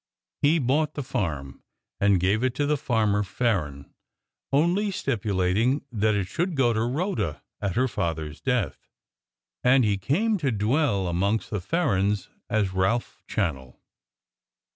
He bought the farm, and gave it to Farmer Farren; only stipulating that it should go to Rhoda at her father's death. And he came to dwell amongst the Farrens as Ralph Channell.